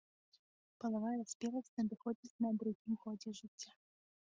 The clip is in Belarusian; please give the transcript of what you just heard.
Палавая спеласць надыходзіць на другім годзе жыцця.